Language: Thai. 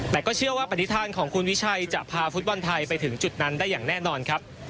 แต่ก็เชื่อว่าปฏิฐานของคุณวิชัยจะพาฟุตบอลไทยไปถึงจุดนั้นได้อย่างแน่นอนครับ